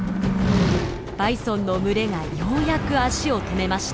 バイソンの群れがようやく足を止めました。